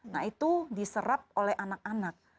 nah itu diserap oleh anak anak